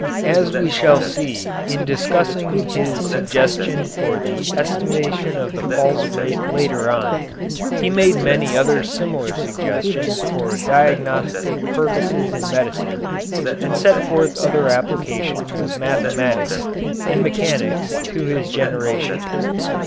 As we shall see in discussing his suggestion for the estimation of the pulse rate later on, he made many other similar suggestions for diagnostic purposes in medicine, and set forth other applications of mathematics and mechanics to his generation.